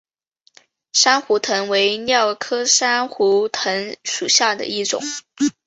珊瑚藤为蓼科珊瑚藤属下的一个种。